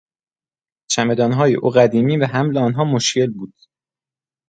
چمدانهای او قدیمی و حمل آنها مشکل بود.